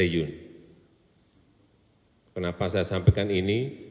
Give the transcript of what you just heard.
ini untuk kementerian pertahanan polri bin kejaksaan